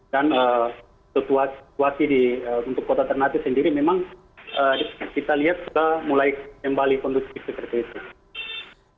dan situasi untuk kota ternate sendiri memang kita lihat sudah mulai kembali kondusif seperti itu